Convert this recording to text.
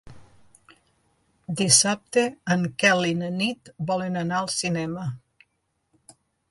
Dissabte en Quel i na Nit volen anar al cinema.